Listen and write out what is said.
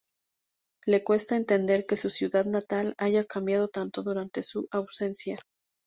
Le cuesta entender que su ciudad natal haya cambiado tanto durante su ausencia.